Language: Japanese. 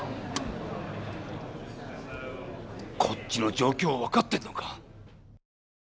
こっちの状況分かってんのか？